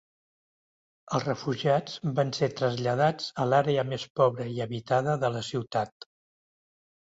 Els refugiats van ser traslladats a l'àrea més pobra i habitada de la ciutat.